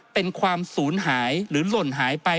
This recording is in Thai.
เป็นความสูญหายหรือหล่นหายไป